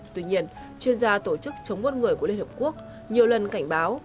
tuy nhiên chuyên gia tổ chức chống buôn người của liên hợp quốc nhiều lần cảnh báo